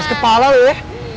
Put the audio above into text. siapa yang suruh